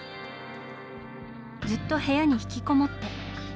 ずっと部屋に引きこもって。